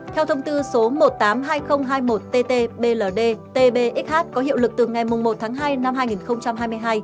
theo thông tư số một trăm tám mươi hai nghìn hai mươi một tt bld tbxh có hiệu lực từ ngày một tháng hai năm hai nghìn hai mươi hai